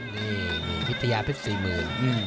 นี่วิทยาเพชรสี่หมื่น